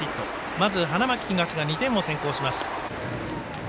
まず、花巻東が２点を先行します。